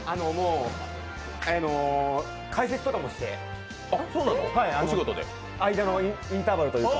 解説とかもして、間のインターバルというか。